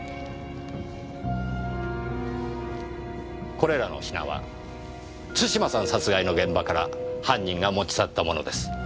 これらの品は津島さん殺害の現場から犯人が持ち去った物です。